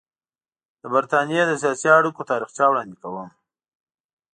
د برټانیې د سیاسي اړیکو تاریخچه وړاندې کړم.